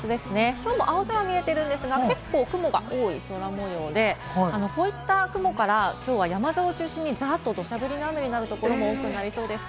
きょうは青空が見えてるんですが、結構雲が多い空模様で、こういった雲から、きょうは山沿いを中心にザーッと土砂降りの雨になるところも多くなりそうです。